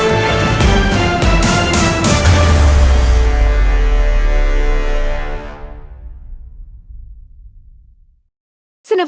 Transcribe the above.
รายการต่อไปนี้เหมาะสำหรับผู้ชมที่มีอายุ๑๓ปีควรได้รับคำแนะนำ